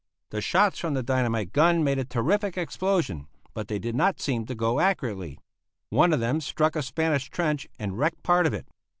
The shots from the dynamite gun made a terrific explosion, but they did not seem to go accurately. Once one of them struck a Spanish trench and wrecked part of it.